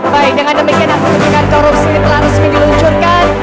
baik dengan demikian ada pemencegahan korupsi telah resmi diluncurkan